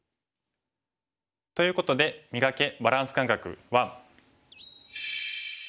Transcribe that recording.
ということで「磨け！バランス感覚１」。